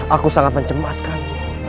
aku sangat mencemaskanmu